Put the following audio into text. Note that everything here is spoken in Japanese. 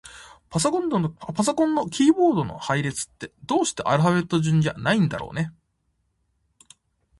パソコンのキーボードの配列って、どうしてアルファベット順じゃないんだろうね。